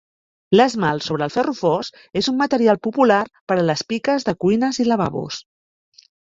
L'esmalt sobre el ferro fos és un material popular per a les piques de cuines i lavabos.